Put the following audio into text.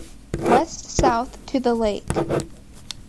West south to the Lake.